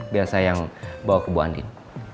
biar saya yang bawa ke mbak andin